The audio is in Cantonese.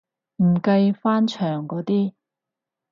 唔計翻牆嗰啲